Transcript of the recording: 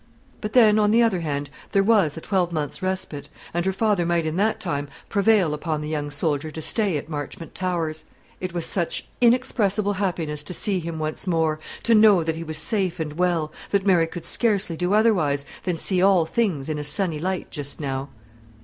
But then, on the other hand, there was a twelvemonth's respite; and her father might in that time prevail upon the young soldier to stay at Marchmont Towers. It was such inexpressible happiness to see him once more, to know that he was safe and well, that Mary could scarcely do otherwise than see all things in a sunny light just now.